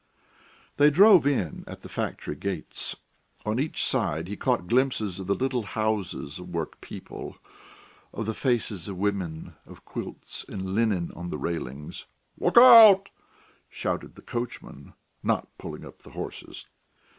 They drove in at the factory gates. On each side he caught glimpses of the little houses of workpeople, of the faces of women, of quilts and linen on the railings. "Look out!" shouted the coachman, not pulling up the horses.